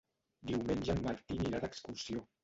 Diumenge en Martí anirà d'excursió.